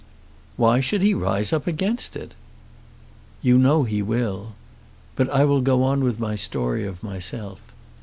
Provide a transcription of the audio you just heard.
"Why should he rise up against it?" "You know he will. But I will go on with my story of myself.